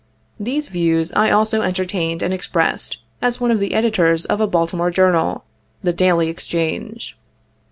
These views I also entertained and expressed, as one of the editors of a Baltimore journal "The Daily Exchange."